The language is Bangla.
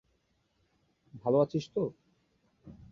ভাল আছিস তো?